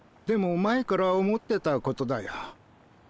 でも前から思ってたことだよ。